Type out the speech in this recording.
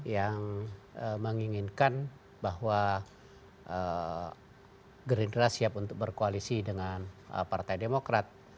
yang menginginkan bahwa gerindra siap untuk berkoalisi dengan partai demokrat